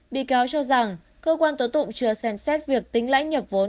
bị cáo cho rằng cơ quan tố tụng chưa xem xét việc tính lãnh nhập vốn